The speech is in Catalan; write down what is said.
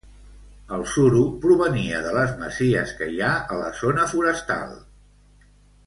El suro provenia de les masies que hi ha a la zona forestal.